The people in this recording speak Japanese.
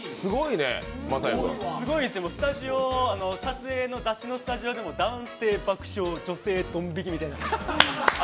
すごいですよね、雑誌の撮影のスタジオでも男性爆笑、女性ドン引きみたいな。